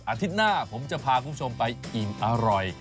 อาทิตย์หน้าผมจะพาคุณผู้ชมไปอิ่มอร่อย